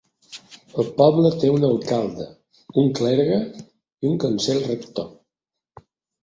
El poble té un alcalde, un clergue i un consell rector.